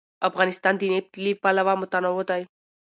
افغانستان د نفت له پلوه متنوع دی.